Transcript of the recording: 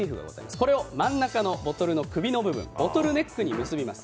これを真ん中のボトルの首の部分、ボトルネックに結びます。